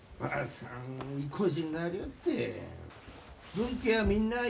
「分家はみんなあ」